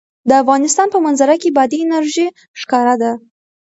د افغانستان په منظره کې بادي انرژي ښکاره ده.